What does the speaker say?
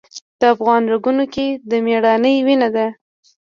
د افغان رګونو کې د میړانې وینه ده.